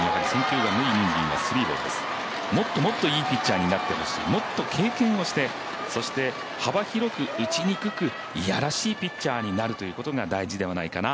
もっともっと、いいピッチャーになってほしい、もっと経験をしてそして幅広く打ちにくくいやらしいピッチャーになるということが大事ではないかな。